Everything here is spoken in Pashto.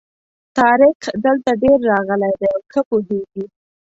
طارق دلته ډېر راغلی دی او ښه پوهېږي.